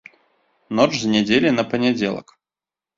Ноч з нядзелі на панядзелак.